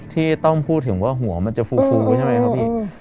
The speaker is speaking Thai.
ที่ต้องพูดถึงว่าหัวมันจะฟูใช่ไหมครับพี่